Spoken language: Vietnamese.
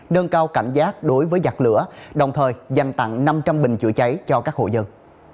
nâng cao cảnh giác đối với giặt lửa đồng thời dành tặng năm trăm linh bình chữa cháy cho các hộ dân